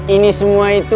ini semua itu